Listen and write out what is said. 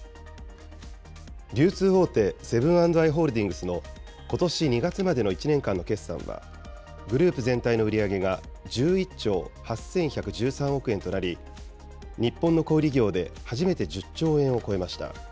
流通大手、セブン＆アイ・ホールディングスのことし２月までの１年間の決算は、グループ全体の売り上げが１１兆８１１３億円となり、日本の小売り業で初めて１０兆円を超えました。